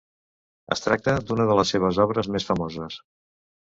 Es tracta d'una de les seves obres més famoses.